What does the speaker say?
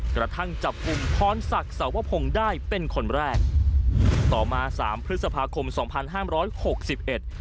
กระทั่งจับกลุ่มพรศักดิ์สวพงศ์ได้เป็นคนแรกต่อมาสามพฤษภาคมสองพันห้ามร้อยหกสิบเอ็ด